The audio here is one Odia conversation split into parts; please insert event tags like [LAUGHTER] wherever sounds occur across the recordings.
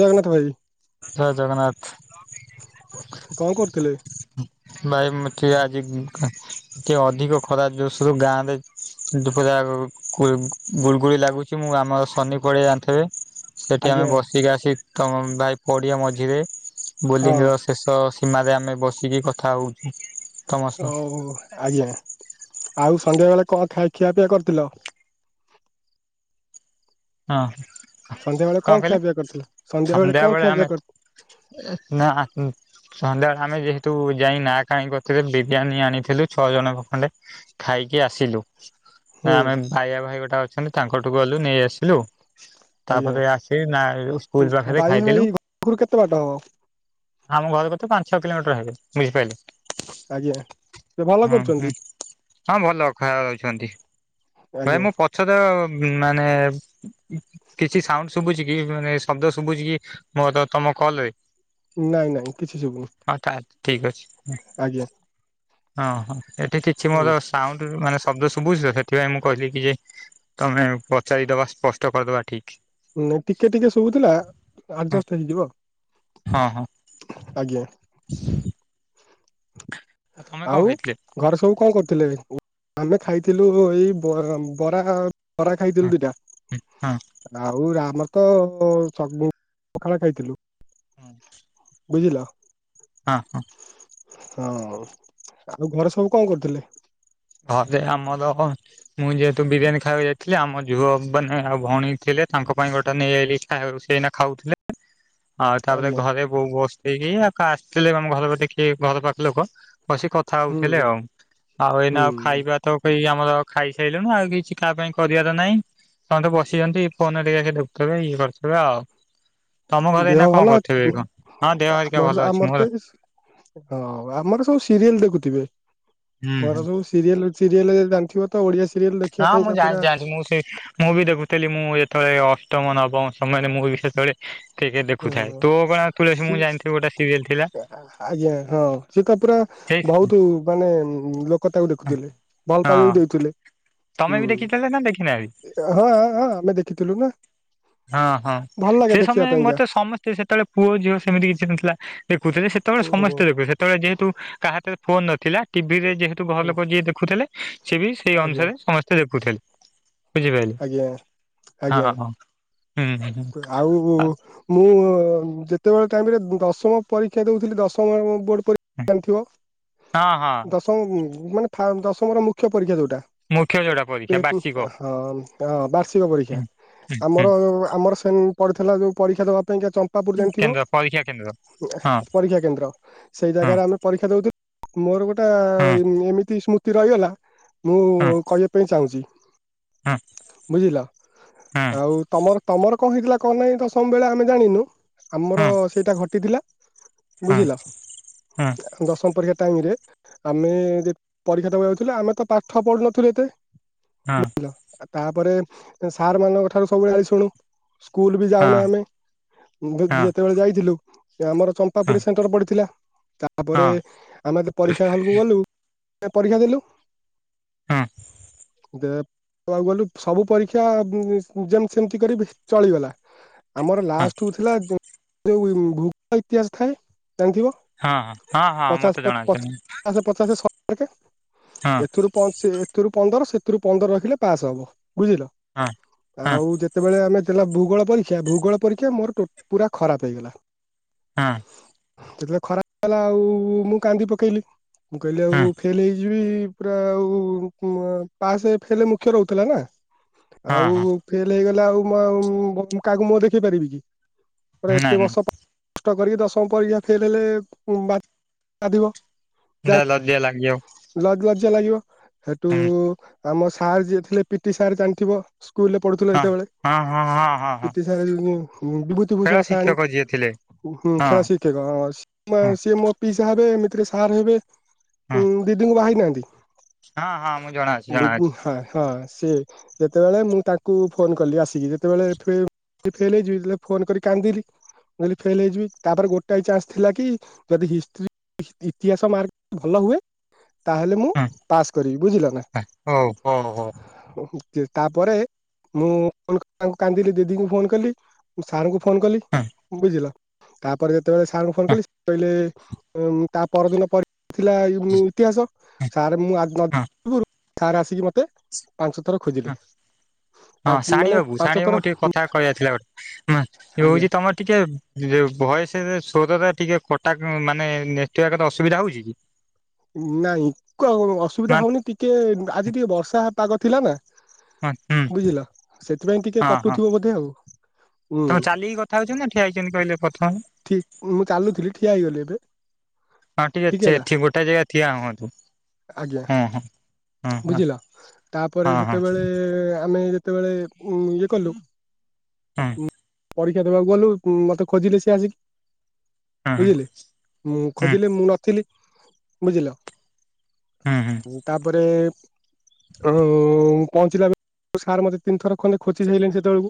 ଜଗନ୍ନାଥ ଭାଇ ଭାଇ ଜୟ କଣ କରୁଥିଲେ? ଜଗନ୍ନାଥ। ଭାଇ ମୁ ଠିକ୍ ଆଜି ଟିକେ ଅଧିକ ଖରା ଜୋଷରୁ ଗାଁ ରେ ଦୁଃଖ ଦା ର ପ ରା ଗୁଳିଗୁଳି ଲାଗୁଛି ମୁଁ ଆମ ଶନି କଡେଇ ଜାଣିଥିବେ? ଏଠି ଆଜ୍ଞା ଆମେ ବସିକି ଆସି ତମ ଭାଇ ପଡ଼ିଆ ମଝିରେ ହଁ ବୋଲିଂର ଶେଷ ସୀମାରେ ଆମେ ବସିକି କଥା ହଉଛୁ। ତମ ହ ସହ ଆଜ୍ଞା। ଆଉ ସନ୍ଧ୍ୟା ବେଳେ କଣ ଖାଇ ଖିଆ ପିଆ କରିଥିଲ? ହଁ। ସନ୍ଧ୍ୟାବେେଳେ କଣ ଖିଆ ପିଆ କରିଥିଲା? ସନ୍ଧ୍ୟା ବେଳେ କଣ ଖିଆ ପିଇଆ କରିଥିଲ? ନା ସନ୍ଧ୍ୟାବେଳେ ଆମେ ଯେହେତୁ ଯାଇ ନା ଖାଣି କରିଥିଲୁ ବିରିୟାନୀ ଆଣିଥିଲୁ ଛଅ ଜଣଙ୍କ ଖଣ୍ଡେ ଖାଇକି ଆସିଲୁ। ହୁଁ ଆମେ ଭାଇଆ ଭାଇ ଗୋଟା ଅଛନ୍ତି ତାଙ୍କଠୁ ଗଲୁ ନେଇ ଆସିଲୁ ଆଜ୍ଞା ତାପରେ ଆସ ନା ସ୍କୁଲ ପାଖରେ ବାଇ ଭାଇ ଖାଇଦଲୁ। ଘରରୁ କେତେ ବାଟ ହବ? ଆମ ଘର କ ପାଞ୍ଚ ଛଅ କିଲୋମିଟର ହେବେ ବୁଝିପାଇଲେ? ଆଜ୍ଞା। ସେ ଭଲ ହୁଁ କରୁଛନ୍ତି ହୁଁ ହଁ ଭଲ ଖାଇବା ଦୋଉଛନ୍ତି। ଆଜ୍ଞା ଭାଇ ମୁଁ ପଛ ତ ମାନେ କିଛି ସାଉଣ୍ଡ ଶୁଭୁଛି କି ମାନେ ଶବ୍ଦ ଶୁଭୁଛି କି ମୋ ତମ କଲ ରେ? ନାଇଁ ନାଇଁ କିଛି ଶୁବୁନି। ଠିକ୍ ଅଛି। ଆଜ୍ଞା। ହଁ ହଁ ଏଠି କିଛି ହୁଁ। ମୋର ସାଉଣ୍ଡ ମାନେ ଶବ୍ଦ ଶୁଭୁଛି ତ ସେଥିପାଇଁ ମୁଁ କହିଲି କି ଯେ ତମେ ପଚାରିଦବା ସ୍ପଷ୍ଟ କରିଦବା ଠିକ। ଟିକେ ଟିକେ ଶଭୁଥିଲା ଆଡଜଷ୍ଟ ହେଇଯିବ। ହଁ ହଁ। ଆଜ୍ଞା। [UNINTELLIGIBLE] ତମେ କଣ ଆଉ ଖାଇଥିଲେ? ଘରେ ସବୁ କଣ କରୁଥିଲେ? ଆମେ ଖାଇଥିଲୁ ଏଇ ବ ବରା ବରା ହଁ ଖାଇଥିଲୁ ଦିଇଟା। ହଁ ପୁରା ଆମର ତ ସଗ ପଖାଳ ଖାଇଥିଲୁ। ହୁଁ। ବୁଝିଲ? ଅହ। ହଁ ଆଉ ଘରେ ସବୁ କଣ କରୁଥିଲେ। ଘରେ ଆମର ମୁଁ ଯେହେତୁ ବିରିୟାନୀ ଖାଇବାକୁ ଯାଇଥିଲି ଆମ ଝୁଅ ମାନେ ଆଉ ଭଉଣୀ ଥିଲେ। ତାଙ୍କ ପାଇଁ ଗୋଟେ ନେଇ ଆଇଲି ସେ ଏଇନା ଖାଉଥିଲେ। ଆଉ ତାପରେ ଆଜ୍ଞା ଘରେ ବୋଉ ବସିଥିଲା ଆଉ ଆସିଥିଲେ ଆମ ଘର ଦେଖି ଘର ପାଖ ଲୋକ। ବସି କଥା ହୁଁ ହୋଉଥିଲେ ହୁଁ ଆଉ ଆଉ ଏଇନା ଆଉ ହୁଁ ଖାଇବା ତ କେହି ଆମର ଖାଇସାରିଲୁଣି ଆଉ କିଛି କାହା ପାଇଁ କରିବାର ନାହିଁ। ସମସ୍ତେ ବସିଛନ୍ତି ଫୋନ ଟିକେ ସେ ଦେଖୁଥିବେ ଏଇଆ କରୁଥିବେ ଆଉ। ତମ ଘରେ ଏଇନା କଣ କରୁଥିବେ ଏ କଣ? ହଁ ଦେହ ହେରିକା ଆମ ଭଲ ଅଛି ଆମର ମୋର ତ ହଁ ଆମର ସବୁ ସିରିଏଲ୍ ଦେଖୁଥିବେ। ହୁଁ ହୁଁ। ଆମର ସବୁ ସିରିଏଲ୍ ସିରିଏଲ୍ ଜାଣିଥିବେ ତ ଓଡିଆ ସିରିଏଲ୍। ହଁ ମୁଁ ଜାଣିଚି ଜାଣିଚି ମୁଁ ସେଇ ମୁଁ ବି ଦେଖୁଥିଲି ଏଥିରେ ଅ ଅଷ୍ଟମ ନବମ ସମୟରେ ମୁଁ ବି ସେତେବେଳେ କ୍ରିକେଟ ଦେଖୁଥାଏ ଓହୋ ତୋ ଅଗଣା ତୁଳସୀ ମୁଁ ଜାଣିଥିବି ଗୋଟେ ସିରିଏଲ ଥିଲା ଆଜ୍ଞା ହଁ ସେ ତ ପୁରା। ସେଇ ବହୁତ ମାନେ ଲୋକ ତାକୁ ଦେଖୁଥିଲେ ବହୁତ୍ ଟାଇମ୍ ବି ହଁ ଦୋଉଥିଲେ। ତମେ ବି ହୁଁ ଦେଖିଥିଲେ ନା ଦେଖିନାହାନ୍ତି ହଁ ହଁ ଆମେ ଦେଖିଥିଲୁ। ହଁ ହଁ ଭଲ ଲାଗେ ସେ ଦେଖିବା ସମୟ ପାଇଁକା ମତେ ସମସ୍ତେ ସେତେବେଳେ ପୁଅ ଝିଅ ସେମିତି କିଛି ନଥିଲା। ଦେଖୁଥିଲେ ସେତେବେଳେ ଆଜ୍ଞା ସମସ୍ତେ ଦେଖୁଥିଲେ ସେତେବେଳେ ଯେହେତୁ କାହାରେ ପାଖରେ ଫୋନ୍ ନଥିଲା ଟିଭିରେ ଯେହେତୁ ଘର ଆଜ୍ଞା ଲୋକ ଯିଏ ଆଜ୍ଞା ଦେଖୁଥିଲେ। ବୁଝିପାରିଲେ ଆଜ୍ଞା ହଁ ଆଜ୍ଞା। ହଁ ହୁଁ ହୁଁ ଯେତେବେଳେ ଟାଇମ୍ ରେ ମୁଁ ଦଶମ ପରୀକ୍ଷା ଦେଉଥିଲି ଦଶମ ବୋଡ଼ ପରୀକ୍ଷା। [UNINTELLIGIBLE] ଜାଣିଥିବ ହଁ ହଁ ଦଶମ ଉଁ ଦଶମ ର ମୂଖ୍ୟ ପରୀକ୍ଷା ଯୋଉଟା। ମୁଖ୍ୟ ଯୋଉଟା ଟା ପରୀକ୍ଷା ବାର୍ଷିକ [UNINTELLIGIBLE] ହଁ। ହଁ ବାର୍ଷିକ ପରୀକ୍ଷା ହୁଁ ହୁଁ ହୁଁ ଆମର ଆମର ସେନ ପଡ଼ିଥିଲା ଯୋଉ ପରୀକ୍ଷା ଦବା ପାଇଁ କା ଚମ୍ପାପୁର୍ ଜାଣିଥିବ କେନ୍ଦ୍ର ପରୀକ୍ଷା କେନ୍ଦ୍ର ହଁ ପରୀକ୍ଷା କେନ୍ଦ୍ର ସେଇ ହଁ ଜାଗାରେ ଆମେ ପରୀକ୍ଷା ଦୋଉଥିଲୁ। ମୋର ଗୋଟେ ହଁ ଏମ୍ ଏମିତି ସ୍ମୃତି ରହିଗଲା ମୁଁ ହଁ କହିବା ପାଇଁ ଚାହୁଁଚି। ହଁ ବୁଝିଲ ହଁ ଆଉ। କଣ ହେଇଥିଲା କଣ ନାହିଁ ଦଶମ୍ ବେଳେ ତ ଆମେ ଜାଣିନୁ। ଆମର ହଁ ସେଇଟା ଘଟିଥିଲା ହଁ ହଁ ବୁଝିଲ ହଁ ଦଶମ ପରୀକ୍ଷା ଟାଇମରେ ଆମେ ଯେତ୍ ପରୀକ୍ଷାଦବାକୁ ଯାଉଥିଲୁ ଆମେ ତ ପାଠ ପଢୁନଥିଲୁ ଏତେ ହଁ। ତାପରେ ସାର୍ ମାନଙ୍କ ଠାରୁ ସବୁବେଳେ ଗାଳି ଶୁଣୁ। ସ୍କୁଲ୍ ବି ହଁ ହଁ ଯାଉନା ଆମେ ହଁ ହଁ ଯେତେବେଳେ ଯାଇଥିଲୁ। ଆମର ଚମ୍ପାପୁରୀ ସେଣ୍ଟର ପଡିଥିଲା ତାପରେ ହଁ ଆମେ ପରୀକ୍ଷା ହଲ୍ କୁ ଗଲୁ। ପରୀକ୍ଷା ଦେଲୁ। ହୁଁ। ଦେବାକୁ ଗଲୁ ସବୁ ପରୀକ୍ଷା ଯେମତି ସେମିତି କରି ଚଳିଗଲା। ଆମର ହଁ ଲାଷ୍ଟ୍ କୁ ଥିଲା ଯୋଉ ଭୁଗୋଳ ଇତିହାସ ଥାଏ। ଜାଣିଥିବ ହଁ ହଁ ମତେ ଜଣାଅଛି ପଚାଶ ପଚାଶ ଶହେ। ହଁ ଏଥିରୁ ପନ୍ଦର ସେଥିରୁ ପନ୍ଦର ରଖିଲେ ପାସ୍ ହବ। ବୁଝିଲ ହଁ ହଁ ଆଉ ଯେତେବେଳେ ଆମେ। ଦେଲୁ ଭୁଗୋଳ ପରୀକ୍ଷା ଭୂଗୋଳ ପରୀକ୍ଷା ମୋର ଟୋଟ୍ ପୁରା ଖରାପ ହେଇଗଲା ହଁ। ଯେତୋଳେ ଖରାପ୍ ହେଲା ଆଉ ମୁଁ କାନ୍ଦି ପକେଇଲି ମୁଁ କହିଲି ହଁ ଆଉ ଫେଲ୍ ହେଇଯିବି। ପୁରା ଆଉ କୁଁ ପାସେ ଫେଲେ ମୁଖ୍ୟ ରହୁଥୁଲା ନାଁ। ହଁ ଆଉ ହଁ ଫେଲ୍ ହେଇଗଲେ ଆଉ ମୁଁ ଆଉ ଭ ମୁଁ କାହାକୁ ମୁହଁ ଦେଖେଇ ପାରିବି କି? ପୁରା ଏତେ ନାଇଁ ନାଇଁ ବର୍ଷ ପା ଟ କରିକି ଦଶମ ପରୀକ୍ଷା ଫେଲ୍ ହେଲେ ଉଁ ବା ବାଧିବ। ଯାହା ଲଜ୍ଜା ଲାଗିବ। ଜ୍ଜା ଲାଗିବ ହେଟୁ ହଁ ଆମ ସାର୍ ଯିଏ ଥିଲେ ପିଟି ସାର୍ ଜାଣିଥିବ। ସ୍କୁଲରେ ପଢୁଥୁଲୁ ଏତେବେଳେ ହଁ ହଁ ହଁ ହଁ ହଁ ହଁ ପିଟି ସାର୍ ଉଁ ବିଭୂତି ଖେଳ ଭୂଷଣ ସହାଣୀ। ଶିକ୍ଷକ ଯିଏ ଥିଲେ ହୁଁ ହଁ ଖେଳ ଶିକ୍ଷକ ହଁ ସି ମା ହଁ ସିଏ ମୋ ପିଇସା ହେବେ ଏମ୍ ଥିରେ ସାର୍ ହେବେ ହଁ ଉଁ ଦିଦିଙ୍କୁ ବାହାହେଇ ନାହାନ୍ତି? ହଁ ହଁ ମୁଁ ଜଣାଅଛି ବ ବୁ ଜଣାଅଛି ହଁ ହଁ। ସେ ଯେତେବେଳେ ମୁଁ ତାଙ୍କୁ ଫୋନ୍ କଲି ଆସିକି ଯେତେବେଳେ ଏଫ୍ ଯେ ଫେଲ୍ ହେଇଯିବି ଯେଲେ ଫୋନ୍ କରି କାନ୍ଦିଲି। ଯଦି ଫେଲ୍ ହେଇଯିବି ତାପରେ ଗୋଟାଏ ଚାନ୍ସ୍ ଥିଲା କି ଯଦି ହିଷ୍ଟ୍ରି ହି ଇତିହାସ ମାର୍କ ଭଲ ହୁଏ ତାହେଲେ ମୁଁ ହଁ ପାସ୍ କରିବି ବୁଝିଲ ନାଁ? ହଉ ହଉ ହଉ ଯେ ତାପରେ ମୁଁ [INAUDIBLE] କାନ୍ଦିଲି ଦିଦିଙ୍କୁ ଫୋନ୍ କଲି ସାର୍ ଙ୍କୁ ଫୋନ୍ କଲି ହଁ ବୁଝିଲ ତାପରେ ଯେତୋଳେ ସାର୍ ଙ୍କୁ ଫୋନ୍ କଲି ହଁ ସେ କହିଲେ ଏମ୍ ତା ପରଦିନ ପର ଥିଲା ଇମ୍ ଇତିହାସ ସାର୍ ମୁଁ ଆ ଜ ହଁ ହଁ ଗୁରୁ ସାର୍ ଆସିକି ମତେ ପାଞ୍ଚ ଥର ଖୋଜିଲେ ପାଁ ହଁ ସାଣି ମାନେ ବାବୁ ପାଞ୍ଚ ଥର ଉଁ ମା ଯୋଉ ହୋଉଚି ତମର ଟିକେ ଯୋଉ ଭଏସ୍ ରେ ସୋରରା ଟିକେ କଟା ମାନେ ନେଟୱାର୍କର ଅସୁବିଧା ହଉଚି କି? ନାଇଁ କ ଅସୁବିଧା ହଁ ହଉନି ଟିକେ ଆଜି ଟିକେ ବର୍ଷା ପାଗ ଥିଲା ନାଁ ହଁ ବୁଝିଲ ସେଥିପାଇଁ ଟିକେ ହଁ କଟୁଥିବ ବୋଧେ ଆଉ। ଉଁ ତମେ ଚାଲିକି କଥା ହଉଛନ୍ତି ନା ଠିଆ ହେଇଛନ୍ତି କହିଲେ ପ୍ରଥମ ଠିକ୍ ମୁଁ ଚାଲୁଥିଲି ଠିଆ ହେଇଗଲି ଏବେ। ହଁ ଟିକେ ଠିକ ଚେ ହେଲା ଥିମୁଟା ଜେଗା ଠିଆ ହୁଅନ୍ତୁ। ଆଜ୍ଞା ହଁ ହଁ ହଁ ବୁଝିଲ? ତାପରେ ହଁ ହଁ ସେତେବେଳେ ଆମେ ତେବେଳେ ଉଁ ଇଏ କଲୁ ହଁ ଉଁ ପରୀକ୍ଷା ଦବାକୁ ଗଲୁ କୁଁ ମତେ ଖୋଜିଲେ ସିଏ ଆସିକି। ହୁଁ ହୁଁ ବୁଝିଲେ? ମୁଁ ହୁଁ ଖୋଜିଲେ ମୁଁ ନଥିଲି ବୁଝିଲ? ହୁଁ ହୁଁ ଉଁ ତାପରେ ଓ ପହଞ୍ଚିଲା ବେ ସାର୍ ମତେ ତିନି ଥର ଖଣ୍ଡେ ଖୋଜି ସାଇଲେଣି ସେତୋଳୁକୁ।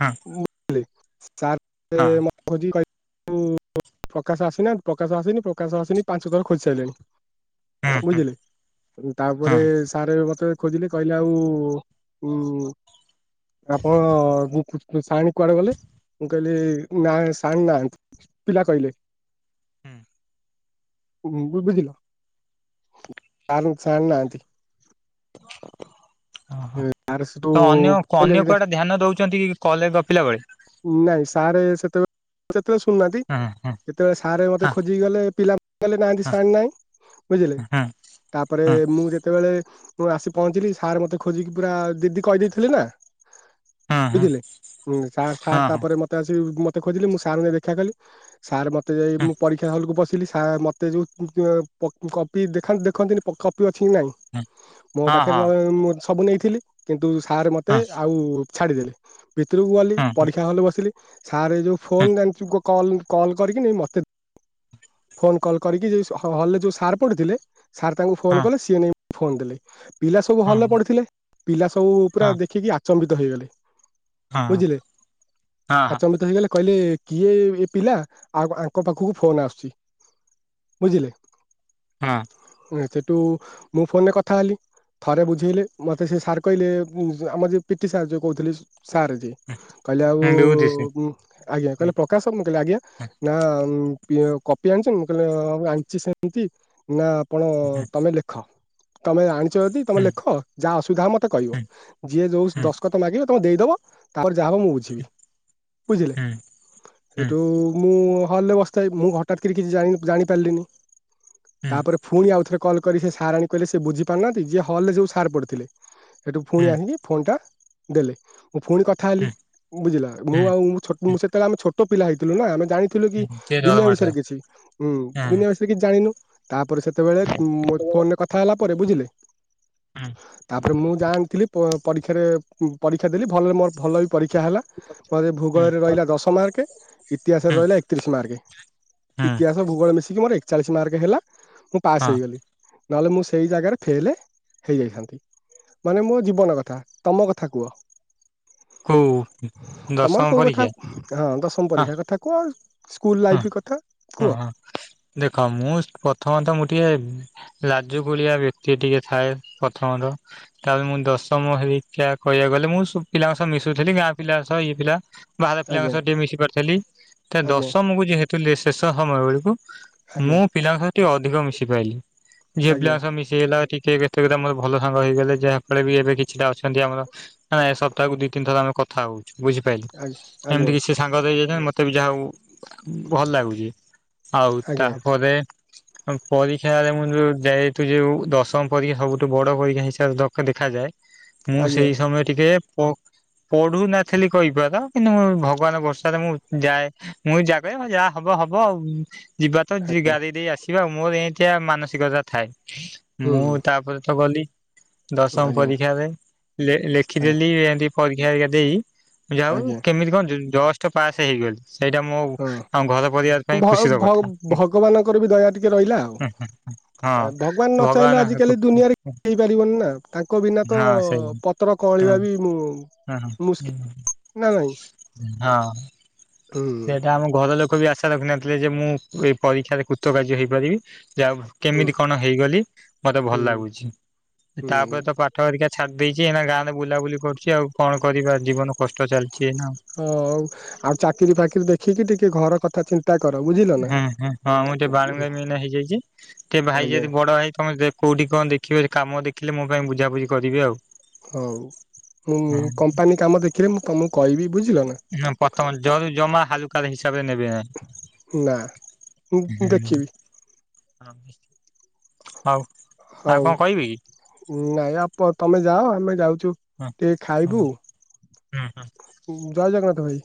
ହଁ [INAUDIBLE] ସାର୍ ହଁ ମତେ ଖୋଜିଲି କ ଆଉ ପ୍ରକାଶ ଆସିନାହାନ୍ତି। ପ୍ରକାଶ ଆସିନି ପ୍ରକାଶ ଆସିନି ପାଞ୍ଚ ଥର ଖୋଜି ସାଇଲେଣି। ହୁଁ ବୁଝିଲେ? ହୁଁ ତାପରେ ସାରେ ମତେ ଖୋଜିଲେ କହିଲେ ଆଉ ଉଁ ଆପଣ ଉଁ ଖୁ ଖୁ ସାଇନ୍ କୁଆଡ଼େ ଗଲେ? ମୁଁ କହିଲି ନାଁ ସାଇନ୍ ନାହାନ୍ତି ପିଲା କହିଲେ। ହୁଁ ଉଁ ବୁ ବୁଝିଲ? ଆଲୋ ସାର୍ ନାହାନ୍ତି। ଅ ହଁ ଆର୍ ସେଠୁ ତ ଅନ୍ୟ ଅନ୍ୟ ପଳେଇଲେ। କୁଆଡ଼େ ଧ୍ୟାନ ଦଉତନ୍ତି କଲେ ଗପିଲା ବେଳେ। ନାଇଁ ସାରେ ସେତେବେ ପ ତ ଶୁଣୁନାହାନ୍ତି ହଁ ହଁ କେତେ ସାରେ ହଁ ମତେ ଖୋଜିକି ଗଲେ ପିଲା କଣ କଲେ ନାଁ ନାହାନ୍ତି ସହାଣୀ ନାହିଁ। ବୁଝିଲେ ହୁଁ। ତାପରେ ମୁଁ ଯେତେବେଳେ ମୁଁ ଆସି ପହଞ୍ଚିଲି ସାର୍ ମତେ ଖୋଜିକି ପୁରା ଦିଦି କହିଦେଇଥିଲି ନାଁ ହଁ ହଁ ବୁଝିଲେ? ଉଁ ସା ସାର୍ ତାପରେ ମତେ ଆସି ଇଉ ମତ ଖୋଜିଲେ ମୁଁ ସାର୍ ଙ୍କୁ ଯାଇ ନେଇ ଦେଖାକଲି ସାର୍ ମତେ ଯାଇ ହଁ ମୁଁ ହଁ ପରୀକ୍ଷା ହଲ୍ କୁ ବସ୍ ଚୁଲି ସା ମତେ ଯୋଉ ଇଏ ପ କପି ଦେଖା ଦେଖନ୍ତି ନି ପ କପି ଅ କିଛି ନାହିଁ, ମୋ ହଁ ହଁ ପାଖରେ ମୁ ସବୁ ନେଇଥିଲି, କିନ୍ତୁ ସାର୍ ମୋତେ ଆଉ ଛାଡ଼ିଦେଲି, ଭିତରକୁ ଗଲି ହଁ ହଁ ପରୀକ୍ଷା ହେଲେ ବସିଲି। ସାର୍ ଏ ଯୋଉ ହଁ ଫୋନ ଜାଣିଛୁଲ କଲ୍ କରିକି ମତେ ଫୋନ କଲ୍ କରିକି, ଯ ହଲରେ ଯୋଉ ସାର୍ ପଢୁଥିଲେ, ସାର୍ ତାଙ୍କୁ ଫୋନ ହଁ କଲେ ସିଏ ନେଇ ଫୋନ ଦେଲେ, ପିଲା ସବୁ ହଁ ଭଲ ପଡିଥିଲେ, ପିଲା ସବୁ ପୁରା ହଁ ଦେଖିକି ଆଚମ୍ବିତ ହେଇଗଲେ। ହଁ ବୁଝିଲେ, ହଁ ହଁ ଆଚବିତ ହେଇଗଲେ କହିଲେ କିଏ, ଏ ପିଲା, ଆଉ ଆଙ୍କ ପାଖକୁ ଫୋନ ଆସୁଛି, ବୁଝିଲେ ହଁ ସେଠୁ, ମୁଁ ଫୋନରେ କଥା ହେଲି। ଥରେ ବୁଝେଇଲେ, ମତେ ସେ ସାର୍ କହିଲେ, ଆମର ଯ ପିଟି ସାର୍ ଯୋଉ କହୁଥିଲେ ସାର୍ ଯେ କହିଲେ ଆଉ, ବିଭୂତି ସିଂ ଆଜ୍ଞା, ହୁଁ କହିଲେ ପ୍ରକାଶ, ମୁଁ କହିଲି ଆଜ୍ଞା ନା କପି ଆଣିଛ, ମୁଁ କହିଲେ ଆଣିଛି ସେମିତି, ନା ଆପଣ ହୁଁ ତମେ ଲେଖ ତମେ ଆଣିଛ ଯଦି ତମେ ହୁଁ ଲେଖ, ଯାହା ଅସୁବିଧା ମତେ କହିବ, ହୁଁ ଯିଏ ଯୋଉ ହୁଁ ଦଶଖତ ମାଗିବ ତମେ ଦେଇ ତାପ ଯାହାବ ମୁ ବୁଝିବି, ବୁଝିଲେ ହୁଁ ହୁଁ ମୁ ହଲରେ ବସିଥାଏ, ମୁଁ ହଠାତ୍ କରି କିଛି ଜାଣିପାରିଲିନି ହୁଁ ତାପରେ ପୁଣି ଆଉଥରେ କଲ୍ କରି ସେ ସାର ଙ୍କୁ କହିଲେ- ସେ ବୁଝି ପାରୁନାହାନ୍ତି, ଯିଏ ହଲ ରେ ଯଉ ସାର ପଡିଥିଲେ ସେଠୁ ପୁଣି ହୁଁ ଆସିକି ଫୋନଟା ଦେଲେ। ମୁଁ ପୁଣି କଥା ହେଲି, ହୁଁ ବୁଝିଲେ, ମୁଁ ହୁଁ ଆଉ ସେତେବେଳେ ଆମେ ଛୋଟ ପିଲା ହେଇଥିଲୁ ନା, ଆମେ ଜାଣିଥିଲୁ କି ହୁଁ କିଏ ଜଳ ଦୁନିଆ ମଠ ବିଷୟରେ କିଛିଁ, ହୁଁ ଦୁନିଆ ବିଷୟରେ କିଛି ଜାଣିନୁ। ତାପରେ ସେତେବେଳେ ଫୋନରେ କଥା ହେଲା ପରେ, ବୁଝିଲେ ହୁଁ ତାପରେ, ମୁଁ ଜାଣିଥିଲି ପରୀକ୍ଷାରେ ପରୀକ୍ଷ ଶୀା [UNINTELLIGIBLE] ଦେଲି ଭଲରେ ମୋର ଭଲ ବି ପରୀକ୍ଷା ହେଲା, ମୋତେ ହୁଁ ଭୂଗୋଳରେ ରହିଲା ଦଶ ମାର୍କ। ଇତିହାସରେ ହୁଁ ରହିଲା ଏକତିରିଶ ମାର୍ଗେ ହୁଁ ଇତିହାସ ଭୂଗୋଳ ମିଶିକି ମୋର ଏକଚାଳିଶ ମାର୍କ ହେଲା, ମୁଁ ପାସ୍ ହଁ ହେଇଗଲି। ନହେଲେ ମୁଁ ସେଇ ଜାଗାରେ ଫେଲେ ହେଇଯାଇଥାନ୍ତି ମାନେ ମୋ ଜୀବନ କଥା, ତମ କଥା କୁହ? ହଉ ତମର କୋଉ କଥା, ହଁ ଦଶମ ହଁ ପରୀକ୍ଷା କଥା କୁହ ସ୍କୁଲ ଲାଇଫ କଥା ଓ କୁହ ହ ଦେଖ, ମୁ ପ୍ରଥମତ ମୁଁ ଟିକେ ଲାଜୁକୁଳିଆ ବ୍ୟକ୍ତି ଟିକେ ଥାଏ ପ୍ରଥମ, ତାପ ମୁଁ ଦଶମ ହେରିକା କହିବାକୁ ଗଲେ, ମୁଁ ସବୁ ପିଲାଙ୍କ ସହ ମିଶୁଥିଲି, ଗାଁ ପିଲାଙ୍କ ସହ, ଇଏ ପିଲା ବାହାର ପିଲାଙ୍କ ଆଜ୍ଞା ସହି ଟିକେ ମିଶି ପାରିଥିଲି, ତ ଆଜ୍ଞା ଦଶମକୁ ଯେହେତୁ ଶେଷ ସମୟ ବେଳକୁ ଆଜ୍ଞା ମୁଁ ପିଲାଙ୍କ ସ ଟିକେ ଅଧିକ ମିଶି ପାରଲି, ଝିଅ ଆଜ୍ଞା ପିଲାଙ୍କ ସହ ମିଶିହେଲା କି କେତେକଟ ମୋର ଭଲ ସାଙ୍ଗ ହେଇଗଲେ, ଯାହାଫଳରେ ବି ଏବେ କିଛିଟା ଅଛନ୍ତି ଆମର ନା ଏ ସବ ତାକୁ ଦି ତିନି ଥର ଆମେ କଥା ହଉଛୁ, ବୁଝିପାରିଲି ଆଜ୍ଞା ଏମିତି କିଛି ସେ ସାଙ୍ଗରେ ହେଇଯାଇ ମୋତେ ବି ଯାହାଉ ଭଲ ଲାଗୁଛି, ଆଉ ଆଜ୍ଞା ତାପରେ ପରୀକ୍ଷରେ ମୁଁ ଯୋଉ ଯେହେତୁ ଯୋଉ ଦଶମ ପରୀକ୍ଷା ସବୁଠୁ ବଡ ପରୀକ୍ଷା ହିସାବରେର ଦେଖାଯାଏ ମୁଁ ଆଜ୍ଞା ସେଇ ସମୟ ଟିକେ ପଢୁ ନଥିଲି କହିପାର, ତ କିନ୍ତୁ ମୁଁ ଭଗବାନ ଭର୍ଷାରେ ମୁଁ ଯାଏ, ମୁଁ ଯା କରେ ଯାହା ହବ ହବ ଆଉ, ଯିବା ତ ଆଜ୍ଞା ଗାରେଇ ଦେଇ ଆସିବା, ମୋର ଏମିତିଆ ମାନସିକତା ଥାଏ। ହୁଁ ମୁଁ ତାପରେ ତ ଗଲି ଦଶମ ଆଜ୍ଞା ପରୀକ୍ଷାରେ ଲେଖିଦେଲି, ଏମତି ପରୀକ୍ଷା ପରକ୍ଷା ଦେଇ ମୁଁ ଯାଉ ଆଜ୍ଞା କେମିତି କଣ ଜଷ୍ଟ ପାସ୍ ହେଇଗଲି। ସେଇଟା ମୋ ଆମ ଘର ପରିବାର ପାଇଁ ହଁ ଖୁସିର ଭ କଥା ଭଗବାନଙ୍କର ବି ଦୟା ଟିକେ ରହିଲା ଆଉ ହଁ ଭଗବାନ ନ ଚାହିଁଲେ ଆଜିିକାଲି ଭଗବାନ ଦୁନିଆରେ ହେଇପାରିବନି ନା ତାଙ୍କ ବିନା ତ ହଁ ସେଇ ପତ ହଁ କଳିବା ବି ମୁଁ ହଁ, ହଁ, ମୁସ୍କିଲ ନା ନାଇଁ [UNINTELLIGIBLE] ହୁଁ ସେଟା ଆମ ଘ ଘର ଲୋକ ବି ଆଶା ରଖି ନଥିଲେ ଯେ, ମୁଁ ଏଇ ପରୀକ୍ଷାରେ କୃତ କାର୍ଯ୍ୟ ହେଇପାରିବି! ଯଉ ହୁଁ କେମିତି କଣ ହେଇଗଲି, ମତେ ଭଲ ହୁଁ ଲାଗୁଛି, ହୁଁ ତାପରେ ତ ପାଠ ହେରିକା ଛାଡି ଦେଇଛି, ଏନା ଗାଁରେ ବୁଲାବୁଲି କରୁଛି ଆଉ କଣ କରିବା ଜୀବନ କଷ୍ଟ ଚାଲିଛି। ଏଇନା ହୁଁ ହଉ ଆଉ ଚାକିରି ଫାକିରି ଦେଖିକି ଟିକେ ଘର କଥା ଚିନ୍ତା। କର ବୁଝିଲ ନା। ହୁଁ ହୁଁ ହଁ ମୁଁ ଟିକେ ବାଳୁଙ୍ଗା ମିଏଇନା ହେଇଯାଇଛି ଟିକେ ଭାଇ ଆଜ୍ଞା ଯଦି ବଡ ହୋଇଥିବ କୋଉଠି କଣ ଦେଖିବେ କାମ ଦେଖିଲେ ମୋ ପାଇଁ ବୁଝାାବୁଝି କରିବି ଆଉ। ହଉ ମୁଁ କମ୍ପାନୀ କାମ ଦେଖିଲେ ମୁ ତମକୁ କହିବି ବୁଝିଲ ନା। ହଁ ପ୍ରଥମ ଜରୁ ଜମା ହାଲୁକା ହିବ ରେ ନେବେ ନା? ନା ମୁଁ ଦେଖିବି ହଁ। ହଉ ନାଇଁ ଆପ ତମେ ଯାଅ ଆମେ ଯାଉଚୁ। ଟିକେ କି? ଖାଇବୁ ଜୟ ଜଗନ୍ନାଥ ଭାଇ।